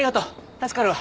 助かるわ。